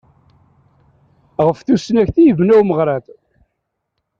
Ɣef tusnakt i yebna umeɣrad.